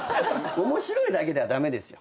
面白いだけでは駄目ですよ。